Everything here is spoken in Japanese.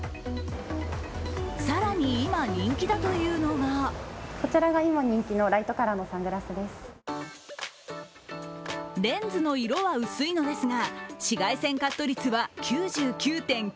更に今、人気だというのがレンズの色は薄いのですが紫外線カット率は９９．９％。